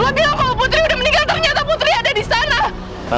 lu bilang kalau putri udah meninggal ternyata putri ada di sana